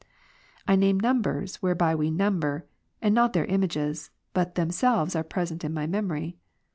I name numbers whereby we number; and not their images, but themselves are present in my memory.